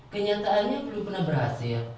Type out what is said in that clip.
kenyataannya belum pernah berhasil